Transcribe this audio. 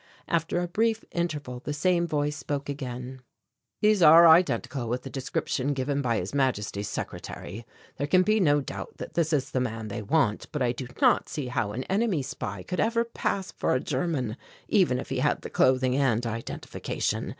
After a brief interval the same voice spoke again "These are identical with the description given by His Majesty's secretary. There can be no doubt that this is the man they want, but I do not see how an enemy spy could ever pass for a German, even if he had the clothing and identification.